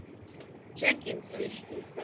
Jenkinson.